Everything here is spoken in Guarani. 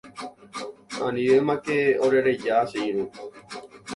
Anivémake orereja che irũ.